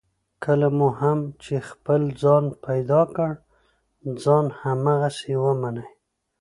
کله مو هم چې خپل ځان پیدا کړ، ځان هماغسې ومنئ.